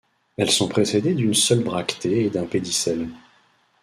Elles sont précédées d'une seule bractée et d'un pédicelle.